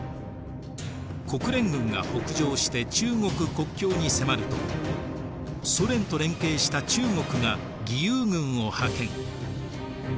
国連軍が北上して中国国境に迫るとソ連と連携した中国が義勇軍を派遣。